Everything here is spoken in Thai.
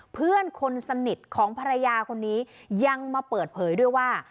เพื่อนคนสนิทของภรรยาคนนี้ยังมาเปิดเผยด้วยว่า